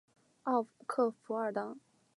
奥克弗尔当。